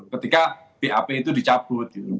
ketika bap itu dicabut gitu